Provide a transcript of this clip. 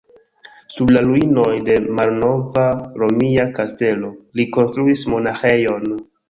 Sur la ruinoj de malnova romia kastelo, li konstruis monaĥejon.